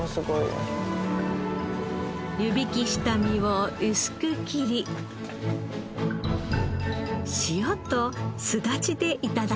湯引きした身を薄く切り塩とスダチで頂きます